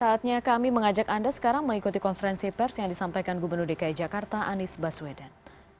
saatnya kami mengajak anda sekarang mengikuti konferensi pers yang disampaikan gubernur dki jakarta anies baswedan